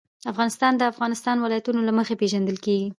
افغانستان د د افغانستان ولايتونه له مخې پېژندل کېږي.